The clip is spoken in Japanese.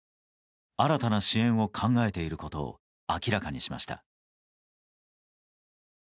新たな支援を考えていることを明らかにしました。